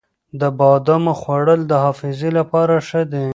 د بادامو خوړل د حافظې لپاره ښه دي.